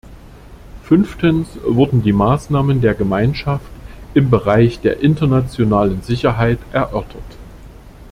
Fünftens wurden die Maßnahmen der Gemeinschaft im Bereich der internationalen Sicherheit erörtert.